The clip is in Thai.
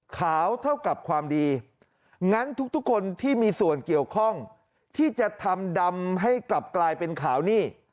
ขาวเท่ากับความดีงั้นทุกคนที่มีส่วนเกี่ยวข้องที่จะทำดำให้กลับกลายเป็นขาวนี่